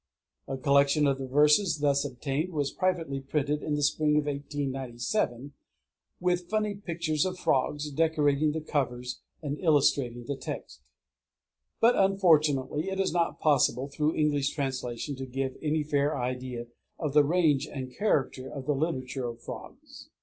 A collection of the verses thus obtained was privately printed in the spring of 1897, with funny pictures of frogs decorating the covers and illustrating the text. But unfortunately it is not possible through English translation to give any fair idea of the range and character of the literature of frogs.